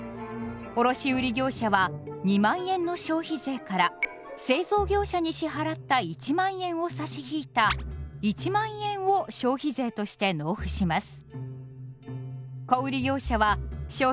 小売業者は３０，０００円の消費税から卸売業者に支払った２０，０００円を差し引いた１０，０００円を消費税として納付します。